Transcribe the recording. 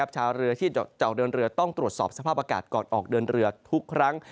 ชาวเรือที่จะออกเดินเรือต้องตรวจสอบสภาพอากาศก่อนออกเดินเรือทุกครั้ง